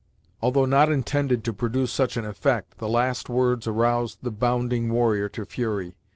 Although not intended to produce such an effect, the last words aroused the "Bounding" warrior to fury.